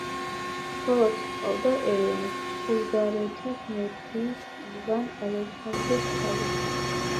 ცოლად ჰყავდა ელენე, ბულგარეთის მეფის ივან ალექსანდრეს ქალიშვილი.